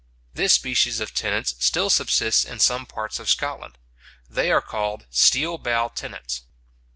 This species of tenants still subsists in some parts of Scotland. They are called steel bow tenants.